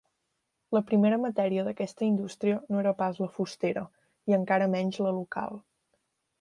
La primera matèria d'aquesta indústria no era pas la fustera, i encara menys la local.